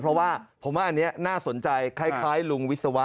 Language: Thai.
เพราะว่าผมว่าอันนี้น่าสนใจคล้ายลุงวิศวะ